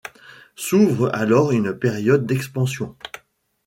S'ouvre alors une période d'expansion.